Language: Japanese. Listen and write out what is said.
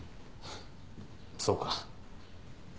そうか。